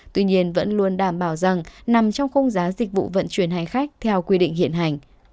tuy nhiên vẫn luôn đảm bảo rằng nằm trong khung giá dịch vụ vận chuyển hành khách theo quy định hiện hành